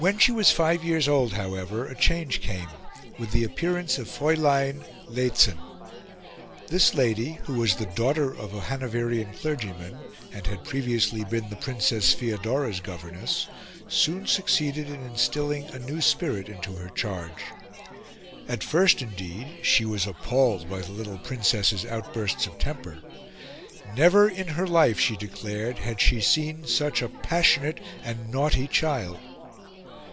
When she was five years old, however, a change came, with the appearance of Fraulein Lehzen. This lady, who was the daughter of a Hanoverian clergyman, and had previously been the Princess Feodora's governess, soon succeeded in instilling a new spirit into her charge. At first, indeed, she was appalled by the little Princess's outbursts of temper; never in her life, she declared, had she seen such a passionate and naughty child.